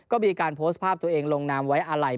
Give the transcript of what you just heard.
ก็มีการโพสต์ภาพตัวเองลงนามไว้อะไร